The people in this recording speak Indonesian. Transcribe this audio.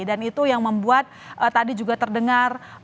dan itu yang membuat tadi juga terdengar